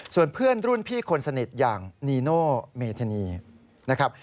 ส่วนเพื่อนรุ่นพี่คนสนิทอย่างนีโน่เมธานีนะครับ